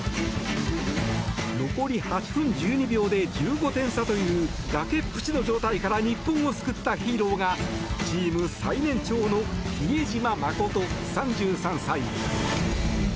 残り８分１２秒で１５点差という崖っぷちの状態から日本を救ったヒーローがチーム最年長の比江島慎、３３歳。